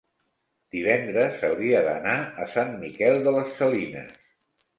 Divendres hauria d'anar a Sant Miquel de les Salines.